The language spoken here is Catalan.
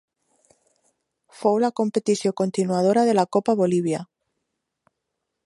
Fou la competició continuadora de la Copa Bolívia.